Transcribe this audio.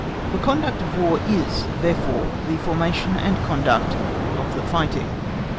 The conduct of War is, therefore, the formation and conduct of the fighting.